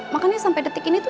makanya sampai detik ini tuh